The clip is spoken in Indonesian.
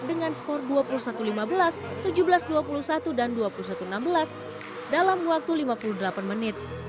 dengan skor dua puluh satu lima belas tujuh belas dua puluh satu dan dua puluh satu enam belas dalam waktu lima puluh delapan menit